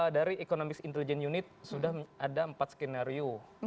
dari economist intelligence unit sudah ada empat skenario